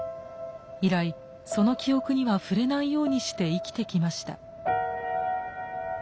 以来その記憶には触れないようにして生きてきました。